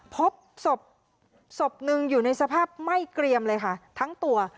พบศพศพหนึ่งอยู่ในสภาพไหม้เกรียมเลยค่ะทั้งตัว